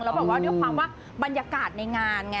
แล้วแบบว่าด้วยความว่าบรรยากาศในงานไง